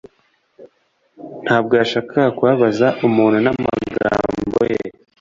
Ntabwo yashakaga kubabaza umuntu n'amagambo ye.